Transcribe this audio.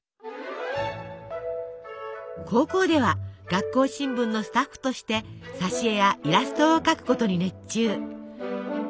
高校では学校新聞のスタッフとして挿絵やイラストを描くことに熱中。